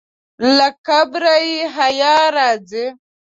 له قبره یې حیا راځي.